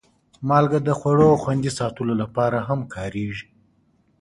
مالګه د خوړو خوندي ساتلو لپاره هم کارېږي.